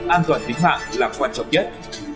an toàn tính mạng là quan trọng nhất